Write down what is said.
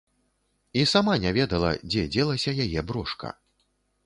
І сама не ведала, дзе дзелася яе брошка.